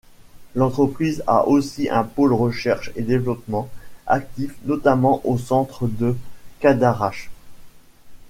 L'entreprise a aussi un pôle recherche et développement, actif notamment au Centre de Cadarache.